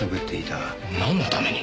なんのために？